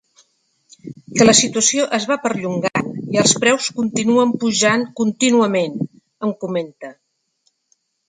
Que la situació es va perllongant i els preus continuen pujant contínuament, em comenta.